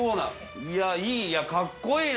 いやいい。